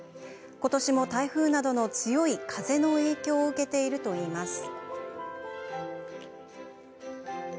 今年も台風などの強い風の影響を受けているといいます。